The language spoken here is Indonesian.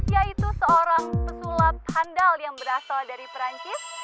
yaitu seorang pesulap handal yang berasal dari perancis